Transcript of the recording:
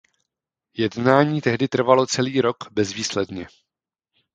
Jednání tehdy trvalo celý rok bezvýsledně.